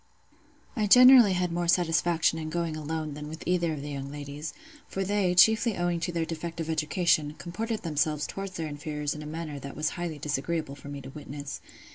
I generally had more satisfaction in going alone than with either of the young ladies; for they, chiefly owing to their defective education, comported themselves towards their inferiors in a manner that was highly disagreeable for me to witness.